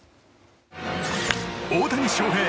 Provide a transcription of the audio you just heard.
大谷翔平